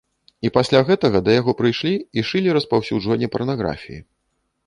І пасля гэтага да яго прыйшлі і шылі распаўсюджванне парнаграфіі.